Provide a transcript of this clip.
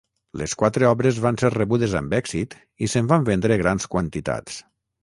Les quatre obres van ser rebudes amb èxit i se'n van vendre grans quantitats.